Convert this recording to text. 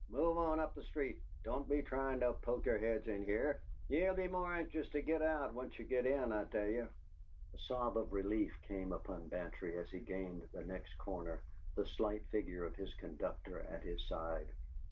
Move on up the street! Don't be tryin' to poke yer heads in here! Ye'd be more anxious to git out, once ye got in, I tell ye!" A sob of relief came from Bantry as he gained the next corner, the slight figure of his conductor at his side.